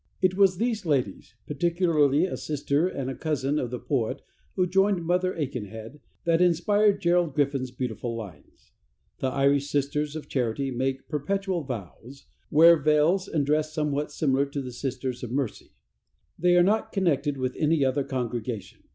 It was these ladies, particularly a sister and a cousin of the poet who joined Mother Aikenhead, that inspired Gerald Griffin's beautiful lines. The Irish Sisters of Charity make perpetual vows, wear veils and dress somewhat similar to the Sisters of Mercy. They are not connected with any other congregation.